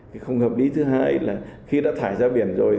thì không hợp lý thứ hai là khi đã thải ra biển rồi